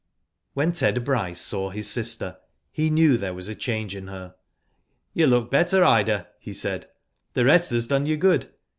When Ted Bryce saw his sister, he knew there was a change in her. " You look better, Ida,'* he said, " the rest has done you good.